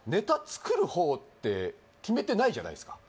作る方って決めてないじゃないですか